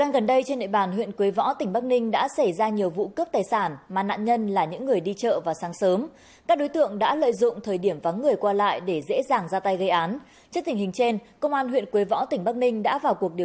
các bạn hãy đăng ký kênh để ủng hộ kênh của chúng mình nhé